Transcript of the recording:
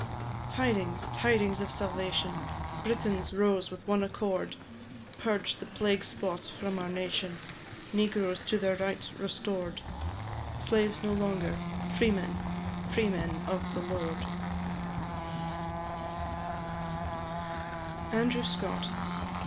Tidings, tidings of salvation! Britons rose with one accord, Purged the plague spot from our nation, Negroes to their rights restored; Slaves no longer, Freemen, freemen of the Lord. ANDREW SCOTT.